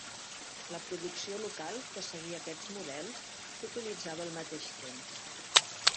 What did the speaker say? La producció local, que seguia aquests models, s'utilitzava al mateix temps.